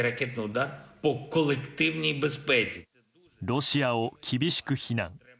ロシアを厳しく非難。